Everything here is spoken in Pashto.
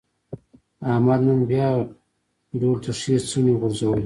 احمد نن بیا ډول ته ښې څڼې غورځولې.